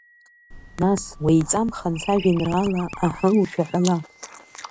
Нас, уеиҵамхан, сажәеинраала, аҳы, ушәаҳәала!